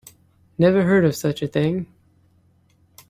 Never heard of such a thing.